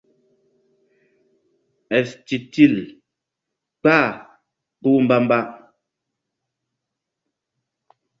Éstitil kpah kpuh mbamba.